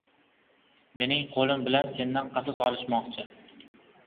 Mening qo‘lim bilan sendan qasos olishmoqchi.